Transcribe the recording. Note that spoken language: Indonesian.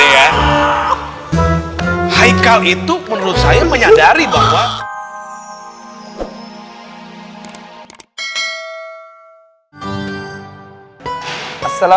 assalamualaikum warahmatullah wabarakatuh